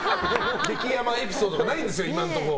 激甘エピソードがないんですよ、今のところ。